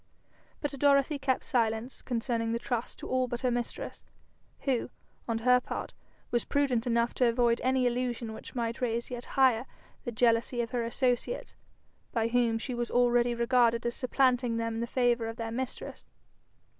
But Dorothy kept silence concerning the trust to all but her mistress, who, on her part, was prudent enough to avoid any allusion which might raise yet higher the jealousy of her associates, by whom she was already regarded as supplanting them in the favour of their mistress.